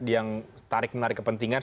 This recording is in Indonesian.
yang menarik kepentingan